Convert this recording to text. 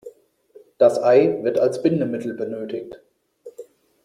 Das Ei wird als Bindemittel benötigt.